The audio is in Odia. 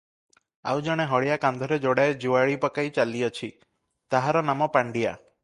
ଆଉ ଜଣେ ହଳିଆ କାନ୍ଧରେ ଯୋଡ଼ାଏ ଯୁଆଳି ପକାଇ ଚାଲିଅଛି, ତାହାର ନାମ ପାଣ୍ତିଆ ।